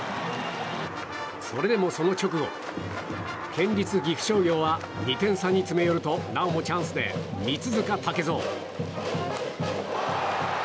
それでも、その直後県立岐阜商業は２点差に詰め寄るとなおもチャンスで三塚武造。